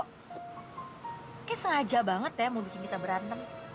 mungkin sengaja banget ya mau bikin kita berantem